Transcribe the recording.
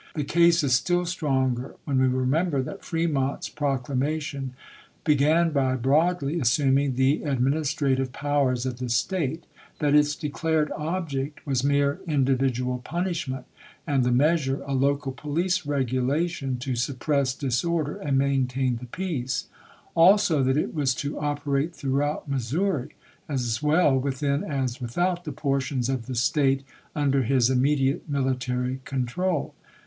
The case is still stronger when we remember that Fremont's proc lamation began by broadly assuming " the adminis trative powers of the State"; that its declared object was mere individual punishment, and the measure a local police regulation to suppress dis order and maintain the peace ; also that it was to operate throughout Missoui'i, as well within as without the portions of the State under his imme diate military control.